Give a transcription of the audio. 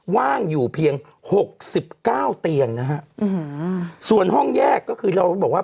ว่างอยู่เพียงหกสิบเก้าเตียงนะฮะส่วนห้องแยกก็คือเราบอกว่า